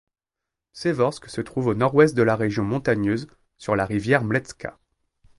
Przeworsk se trouve au nord-ouest de la région montagneuse, sur la rivière Mleczka.